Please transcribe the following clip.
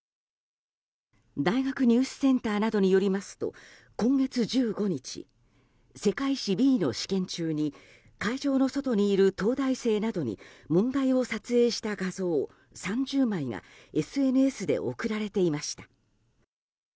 大学入試センターなどによりますと今月１５日、世界史Ｂの試験中に会場の外にいる東大生などに問題を撮影した画像３０枚がＳＮＳで送られていました。